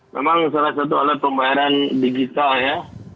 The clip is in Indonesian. memang salah satu alat pembayaran digital ya